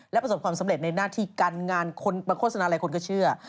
และประสบความสำเร็จในหน้าที่การงานคนมาโฆษณาอะไรคนก็เชื่อ